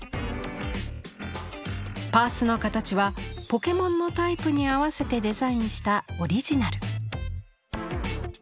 パーツの形はポケモンのタイプに合わせてデザインしたオリジナル。